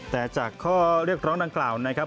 แต่จากข้อเรียกร้องดังกล่าวนะครับ